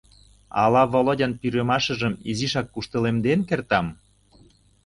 Ала Володян пӱрымашыжым изишак куштылемден кертам.